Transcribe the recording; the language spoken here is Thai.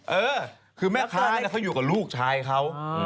เออคือแม่ค้าเขาอยู่กับลูกชายเขา